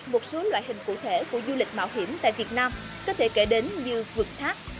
một số loại hình cụ thể của du lịch mạo hiểm tại việt nam có thể kể đến như vượt thác